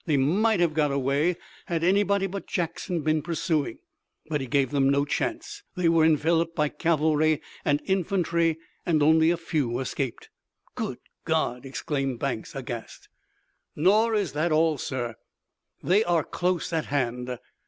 They might have got away had anybody but Jackson been pursuing. But he gave them no chance. They were enveloped by cavalry and infantry, and only a few escaped." "Good God!" exclaimed Banks, aghast. "Nor is that all, sir. They are close at hand!